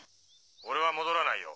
俺は戻らないよ。